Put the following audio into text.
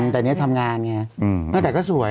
แต่นี่ทำงานไงตั้งแต่ก็สวย